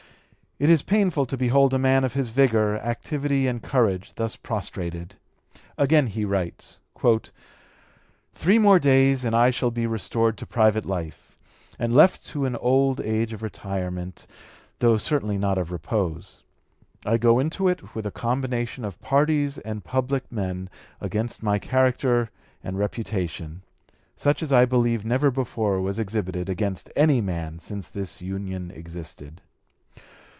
It is painful to behold a man of his vigor, activity, and courage thus prostrated. Again he writes: "Three days more and I shall be restored to private life, and left to an old age of retirement though certainly not of repose. I go into it with a combination of parties and public men against my character and reputation, such as I believe never before was exhibited against any man since this Union existed.